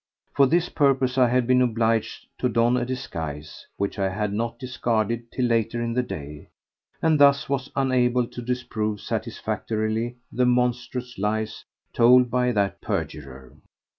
For this purpose I had been obliged to don a disguise, which I had not discarded till later in the day, and thus was unable to disprove satisfactorily the monstrous lies told by that perjurer.